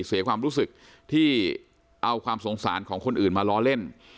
เสียความรู้สึกที่เอาความสงสารของคนอื่นมาล้อเล่น